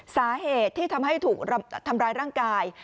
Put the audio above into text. สาเหตุที่ทำให้ถูกทำร้ายร่างกาย